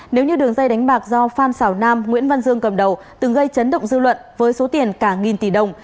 nếu như đường dây đánh bạc do phan xảo nam nguyễn văn dương cầm đầu từng gây chấn động dư luận với số tiền cả nghìn tỷ đồng